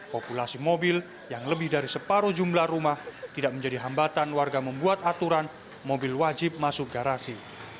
populasi mobil yang lebih dari separuh jumlah rumah tidak menjadi hambatan warga membuat aturan mobil wajib masuk garasi